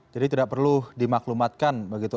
jadi tidak perlu dimaklumatkan